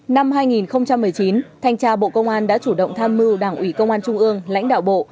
năm hai nghìn một mươi chín thanh tra bộ công an đã chủ động tham mưu đảng ủy công an trung ương lãnh đạo bộ